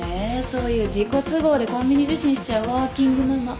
そういう自己都合でコンビニ受診しちゃうワーキングママ。